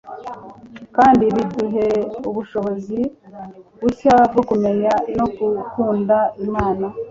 kandi biduhe ubushobozi bushya bwo kumenya no gukunda imana